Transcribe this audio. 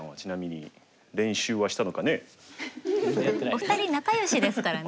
お二人仲よしですからね。